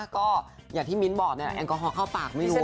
ก็อย่างที่มิ้นบอกแอลกอฮอลเข้าปากไม่รู้